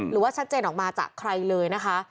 หรือว่าชัดเจนออกมาจากใครเลยนะคะ